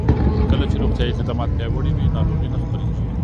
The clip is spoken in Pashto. کله چې روغتیايي خدمات پیاوړي وي، ناروغۍ نه خپرېږي.